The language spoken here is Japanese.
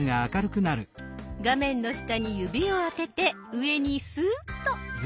画面の下に指をあてて上にスーッと。